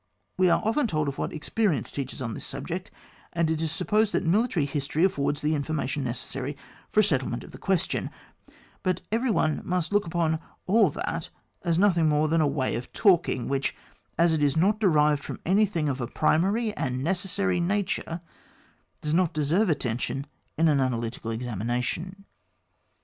We are often told of what experience teaches on this subject, audit is supposed that military history affords the informa tion necessary for a settlement of the question, but every one must look upon all that as nothing more than a way of talking, which, as it is not derived from anything of a primary and necessary nature, does not deserve attention in an analytical examination.